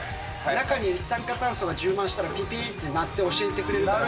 中に一酸化炭素が充満したら、ぴぴーって鳴って教えてくれるから。